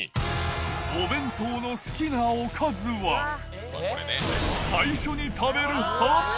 お弁当の好きなおかずは、最初に食べる派？